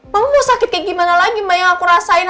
mama mau sakit kayak gimana lagi mbak yang aku rasain